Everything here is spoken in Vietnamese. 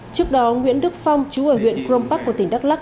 trước đó nguyễn đức phong chú ở huyện crong park tỉnh đắk lắc